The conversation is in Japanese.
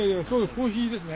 コーヒーですね。